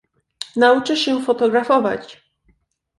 "Nauczy się fotografować."